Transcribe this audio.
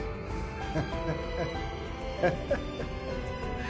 ハハハッハハハ。